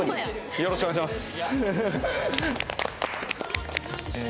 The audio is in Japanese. よろしくお願いします。